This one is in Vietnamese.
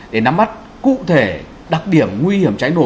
để nắm bắt cụ thể đặc điểm nguy hiểm cháy nổ